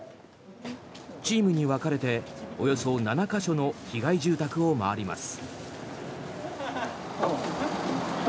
チームに分かれておよそ７か所の被害住宅を回ります。